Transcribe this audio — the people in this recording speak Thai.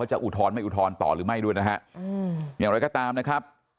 อุทธรณ์ไม่อุทธรณ์ต่อหรือไม่ด้วยนะฮะอย่างไรก็ตามนะครับ